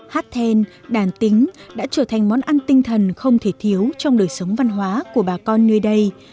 hát then đàn tính đã trở thành món ăn tinh thần không thể thiếu trong đời sống văn hóa của bà con nơi đây